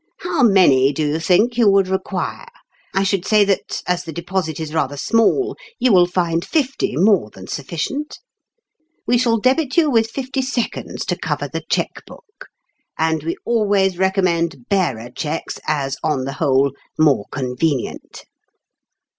" How many, do you think you would require? I should say that, as the deposit is rather small, you will find fifty more than sufficient ? We shall debit you with fifty seconds to cover the cheque book. And we always recommend 4 bearer ' cheques as, on the whole, more con venient."